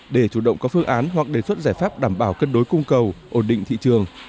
để chủ động có phương án hoặc đề xuất giải pháp đảm bảo cân đối cung cầu ổn định thị trường